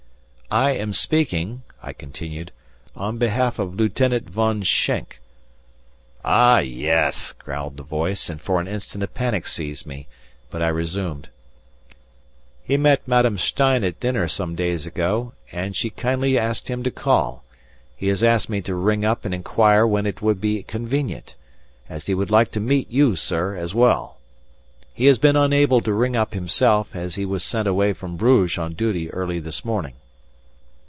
"I am speaking," I continued, "on behalf of Lieutenant Von Schenk " "Ah, yes!" growled the voice, and for an instant a panic seized me, but I resumed: "He met Madame Stein at dinner some days ago, and she kindly asked him to call; he has asked me to ring up and inquire when it would be convenient, as he would like to meet you, sir, as well. He has been unable to ring up himself, as he was sent away from Bruges on duty early this morning."